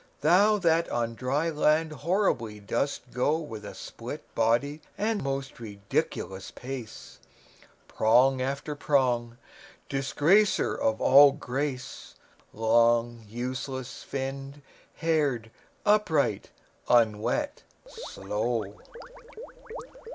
Thou that on dry land horribly dost go With a split body and most ridiculous pace, Prong after prong, disgracer of all grace, Long useless finned, haired, upright, unwet, slow!